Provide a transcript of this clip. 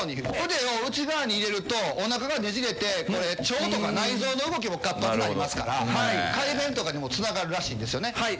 腕を内側に入れるとお腹がねじれてこれ腸とか内臓の動きも活発になりますから快便とかにも繋がるらしいんですよね。